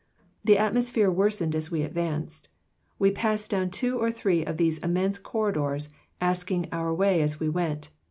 The atmosphere worsened as we advanced. We passed down two or three of these immense corridors, asking our way as we went.